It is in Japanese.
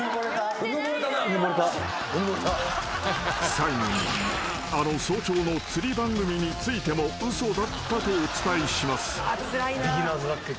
［最後にあの早朝の釣り番組についても嘘だったとお伝えします］